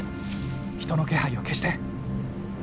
人の気配を消して。